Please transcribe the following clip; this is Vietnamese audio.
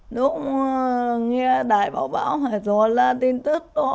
nếu nghe đài báo báo hay rồi là tin tức to